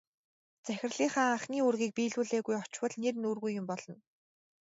Захирлынхаа анхны үүрийг биелүүлэлгүй очвол нэр нүүргүй юм болно.